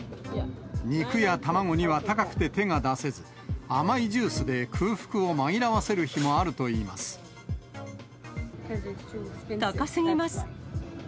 肉や卵には高くて手が出せず、甘いジュースで空腹を紛らわせる高すぎます。